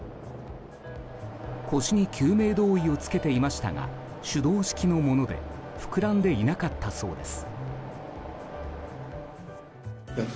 腰に救命胴衣を着けていましたが手動式のもので膨らんでいなかったそうです。